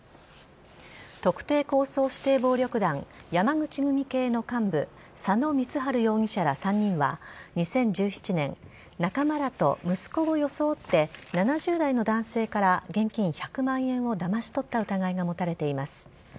特定抗争指定暴力団山口組系の幹部佐野光治容疑者ら３人は２０１７年仲間らと息子を装って７０代の男性から現金１００万円をだまし取った疑いが持たれています。